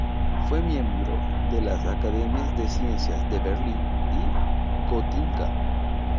Fue miembro de las academias de ciencias de Berlín y Gotinga.